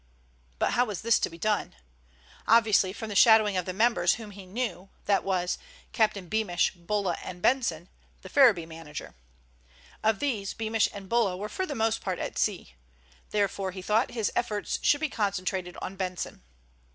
But how was this to be done? Obviously from the shadowing of the members whom he knew, that was, Captain Beamish, Bulla, and Benson, the Ferriby manager. Of these, Beamish and Bulla were for the most part at sea; therefore, he thought, his efforts should be concentrated on Benson.